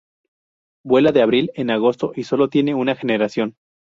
Vuela de abril en agosto, y solo tiene una generación.